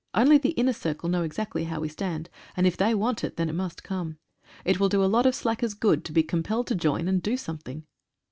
Only the inner circle know exactly how we stand, and if they want it, then it must come. It will do a lot of slackers good to be compelled to join, and do something.